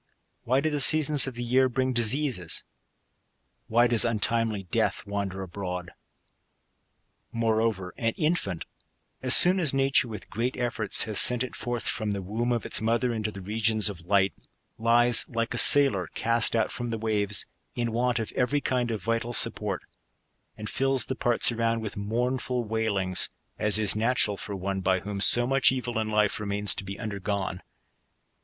Why do the seasons of the year bring dis eases ? Why does untimely death wander abroad ? Moreover, an infant, as soon as nature, with great efforts, has sent it forth from the womb of its mother into the regions of light, lies, like a sailor cast out from the waves, in want of every kind of vital support ; and fills the parts arouud with mournful wailings, as is natural for one by whom so mu(:h evil in life remains to be undergone.